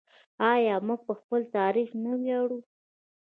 آیا موږ په خپل تاریخ نه ویاړو؟